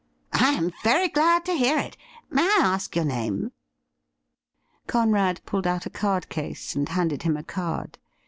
' I am very glad to hear it. May I ask your name .?' Conrad pulled out a card case and handed him a card.